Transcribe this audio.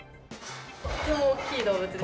とても大きい動物です。